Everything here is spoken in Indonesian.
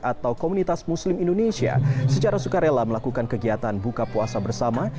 atau komunitas muslim indonesia secara sukarela melakukan kegiatan buka puasa bersama